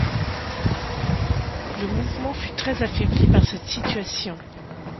Le mouvement fut très affaibli par cette situation.